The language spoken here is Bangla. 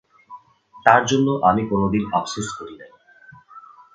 তার জন্য আমি কোনোদিন আফসোস করি নাই।